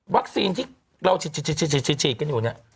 ที่เราฉีดกันอยู่เนี่ย